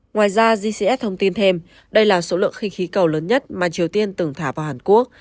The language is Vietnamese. ngoài ra gcs thông tin thêm đây là số lượng khinh khí cầu lớn nhất mà triều tiên từng thả vào hàn quốc